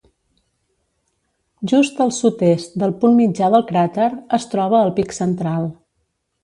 Just al sud-est del punt mitjà del cràter es troba el pic central.